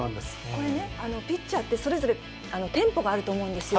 これね、ピッチャーってそれぞれテンポがあると思うんですよ。